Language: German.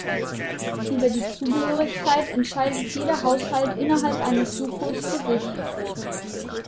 Über die Zugehörigkeit entscheidet jeder Haushalt innerhalb eines Sucos für sich.